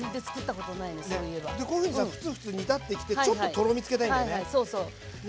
こういうふうにさ沸々煮立ってきてちょっととろみつけたいんだよね。